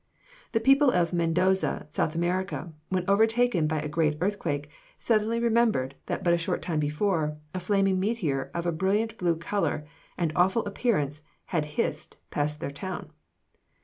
The people of Mendoza, South America, when overtaken by a great earthquake, suddenly remembered that but a short time before, a flaming meteor of a brilliant blue color and awful appearance had hissed past their town.